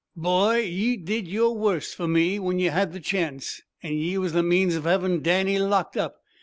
"Boy, ye did yer worst for me, when ye had the chance. And ye was the means of havin' Danny locked up.